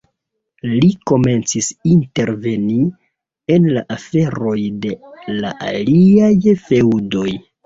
Li komencis interveni en la aferoj de la aliaj feŭdoj.